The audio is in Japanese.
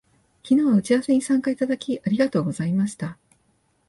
昨日は打ち合わせに参加いただき、ありがとうございました